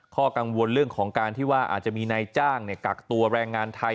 ข้อกังวลเรื่องของการที่ว่าอาจจะมีนายจ้างกักตัวแรงงานไทย